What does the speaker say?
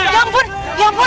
ya ampun ya ampun